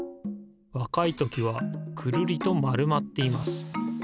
わかいときはくるりとまるまっています。